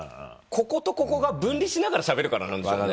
こことここが分離しながらしゃべるからなんでしょうね。